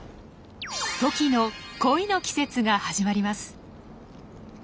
トキの恋の季節が始まります。